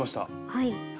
はい。